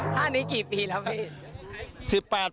ท่านี้กี่ปีแล้วพี่